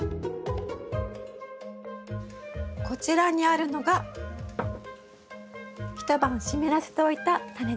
こちらにあるのが一晩湿らせておいたタネですね。